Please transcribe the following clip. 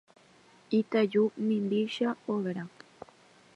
Itaju mimbícha overa